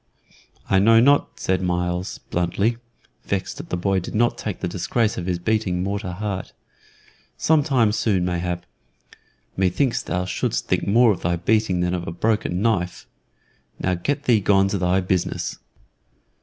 "I know not," said Myles, bluntly, vexed that the boy did not take the disgrace of his beating more to heart. "Some time soon, mayhap. Me thinks thou shouldst think more of thy beating than of a broken knife. Now get thee gone to thy business."